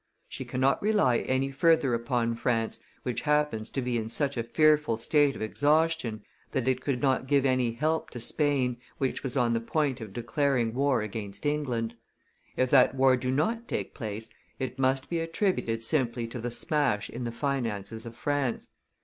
She cannot rely any further upon France, which happens to be in such a fearful state of exhaustion that it could not give any help to Spain, which was on the point of declaring war against England. If that war do not take place, it must be attributed simply to the smash in the finances of France.